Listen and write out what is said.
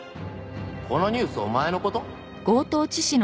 このニュースお前の事？